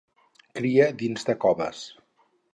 Cria dins de coves.